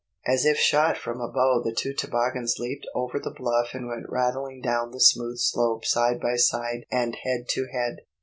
As if shot from a bow the two toboggans leaped over the bluff and went rattling down the smooth slope side by side and head to head.